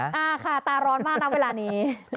อ่าค่ะตาร้อนมากนะเวลานี้